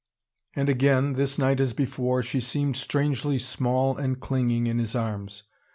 And again, this night as before, she seemed strangely small and clinging in his arms.